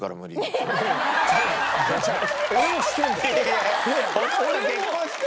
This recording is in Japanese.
俺もしてんだよ。